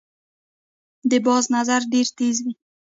د باز نظر ډیر تېز وي